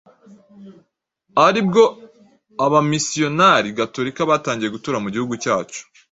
ari bwo Abamisiyonari gatolika batangiye gutura mu gihugu cyacu,